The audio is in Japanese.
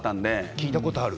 聞いたことある。